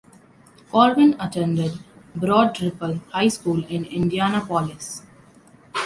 Colvin attended Broad Ripple High School in Indianapolis.